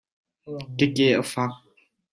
Ka ke a faak.